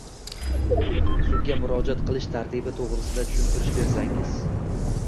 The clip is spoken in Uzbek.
Sudga murojaat qilish tartibi to‘g‘risida tushuntirish bersangiz?